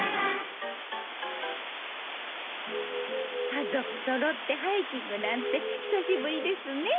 かぞくそろってハイキングなんてひさしぶりですねえ。